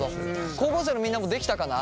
高校生のみんなもできたかな？